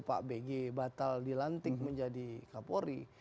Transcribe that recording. pak bg batal dilantik menjadi kapolri